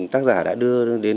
tác giả đã đưa đến